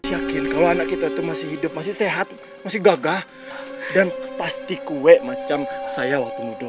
yakin kalau anak kita itu masih hidup masih sehat masih gagah dan pasti kue macam saya waktu muda